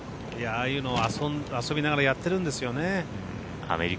ああいうの遊びながらやってるんですよね。